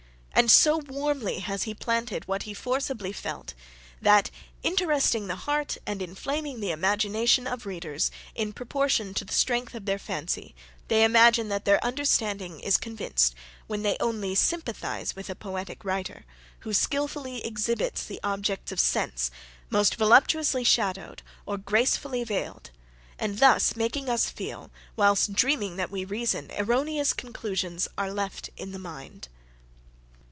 And so warmly has he painted what he forcibly felt, that, interesting the heart and inflaming the imagination of his readers; in proportion to the strength of their fancy, they imagine that their understanding is convinced, when they only sympathize with a poetic writer, who skilfully exhibits the objects of sense, most voluptuously shadowed, or gracefully veiled; and thus making us feel, whilst dreaming that we reason, erroneous conclusions are left in the mind.